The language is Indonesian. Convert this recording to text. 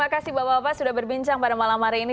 kita sudah berbincang pada malam hari ini